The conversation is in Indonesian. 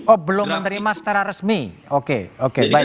oh belum menerima secara resmi oke baik